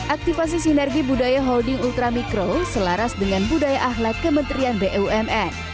aktivasi sinergi budaya holding ultra mikro selaras dengan budaya ahlak kementerian bumn